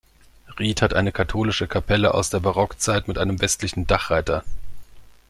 Ried hat eine katholische Kapelle aus der Barockzeit mit einem westlichen Dachreiter.